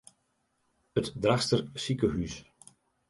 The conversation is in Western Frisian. It Drachtster sikehús.